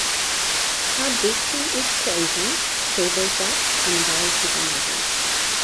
Her victim is poisoned, shrivels up, and dies within a week.